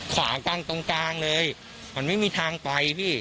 ขวากลางตรงกลางเลยมันไม่มีทางไปพี่